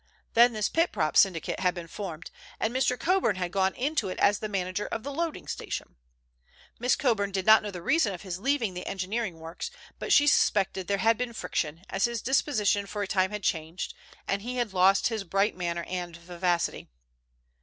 Then this Pit Prop Syndicate had been formed, and Mr. Coburn had gone into it as the manager of the loading station. Miss Coburn did not know the reason of his leaving the engineering works, but she suspected there had been friction, as his disposition for a time had changed, and he had lost his bright manner and vivacity.